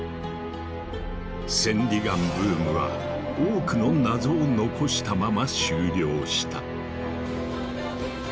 千里眼ブームは多くの謎を残したまま終了した。